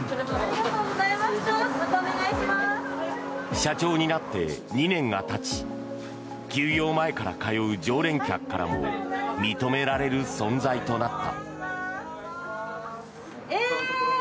社長になって２年がたち休業前から通う常連客からも認められる存在となった。